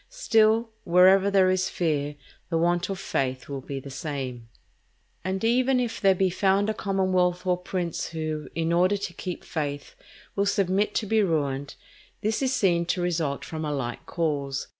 Still, wherever there is fear, the want of faith will be the same. And even if there be found a commonwealth or prince who, in order to keep faith, will submit to be ruined, this is seen to result from a like cause.